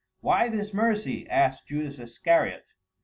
"Why this mercy?" asked Judas Iscariot.